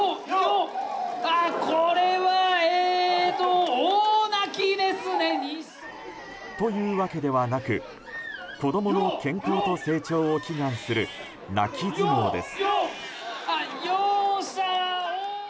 これは、大泣きですね！というわけではなく子供の健康と成長を祈願する泣き相撲です。